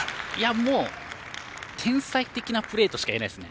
もう天才的なプレーとしかいえないですね。